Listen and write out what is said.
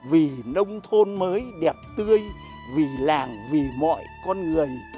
vì nông thôn mới đẹp tươi vì làng vì mọi con người